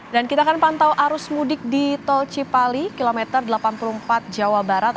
dan kita akan pantau arus mudik di tol cipali km delapan puluh empat jawa barat